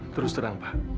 terus terang pak